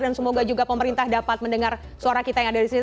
dan semoga juga pemerintah dapat mendengar suara kita yang ada disini